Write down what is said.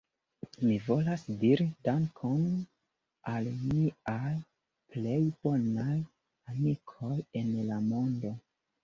Mi volas diri Dankon al miaj plej bonaj amikoj en la mondo